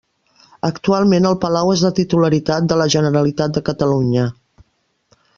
Actualment el palau és de titularitat de la Generalitat de Catalunya.